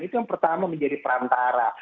itu yang pertama menjadi perantara